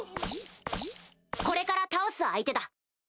これから倒す相手だ。